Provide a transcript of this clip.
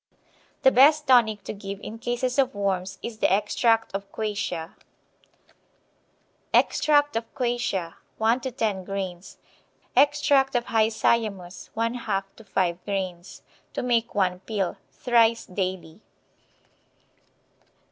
The best tonic to give in cases of worms is the extract of quassia. Extract of quassia, 1 to 10 grains; extract of hyoscyamus, 1/2 to 5 grains. To make one pill. Thrice daily.